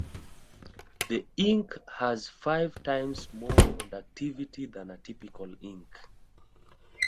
The ink has five times more conductivity than a typical ink.